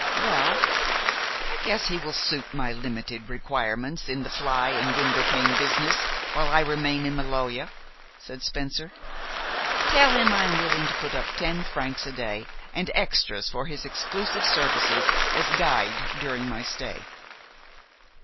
"Well, I guess he will suit my limited requirements in the fly and window pane business while I remain in Maloja," said Spencer. "Tell him I am willing to put up ten francs a day and extras for his exclusive services as guide during my stay."